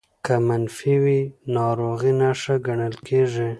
که منفي وي ناروغۍ نښه ګڼل کېږي